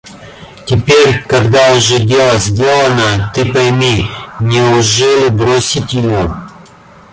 Теперь, когда уже дело сделано, — ты пойми,— неужели бросить ее?